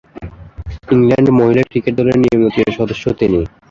England মহিলা cricket দলের নিয়মিত সদস্য তিনি।